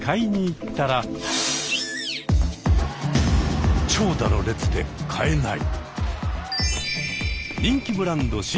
またも長蛇の列で買えない！